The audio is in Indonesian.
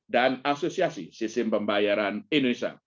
dan asosiasi sistem pembayaran indonesia